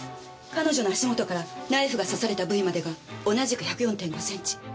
彼女の足元からナイフが刺された部位までが同じく１０４．５センチ。